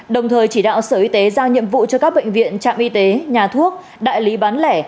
đồng thời chỉ đạo sở y tế giao nhiệm vụ cho các bệnh viện trạm y tế nhà thuốc đại lý bán lẻ